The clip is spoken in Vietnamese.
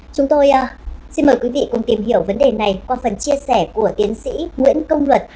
chúng tôi xin mời quý vị cùng tìm hiểu vấn đề này qua phần chia sẻ của tiến sĩ nguyễn công luật